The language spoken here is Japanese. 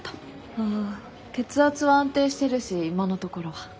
ああ血圧は安定してるし今のところは。